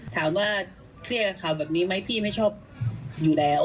ถามว่าเครียดกับข่าวแบบนี้ไหมพี่ไม่ชอบอยู่แล้ว